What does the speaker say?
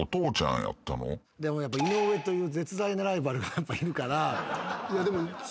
でもやっぱ井上という絶大なライバルがいるから。